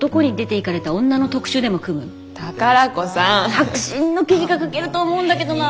迫真の記事が書けると思うんだけどな。